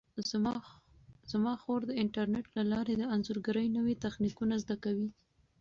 زما خور د انټرنیټ له لارې د انځورګرۍ نوي تخنیکونه زده کوي.